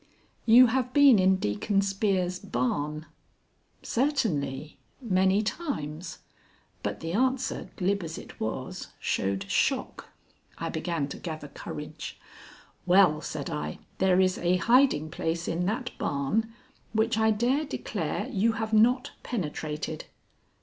"You have been in Deacon Spear's barn." "Certainly, many times." But the answer, glib as it was, showed shock. I began to gather courage. "Well," said I, "there is a hiding place in that barn which I dare declare you have not penetrated."